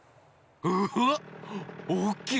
うわっおおきい！